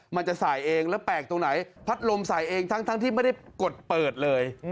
มันจะใส่เองแล้วแปลกตรงไหนพัดลมใส่เองทั้งที่ไม่ได้กดเปิดเลย